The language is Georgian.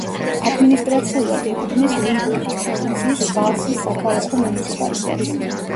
ადმინისტრაციულად ეკუთვნის ლიმბურგის პროვინციის ვალსის საქალაქო მუნიციპალიტეტს.